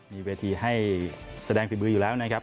มีเวทีให้แสดงฝีมืออยู่แล้วนะครับ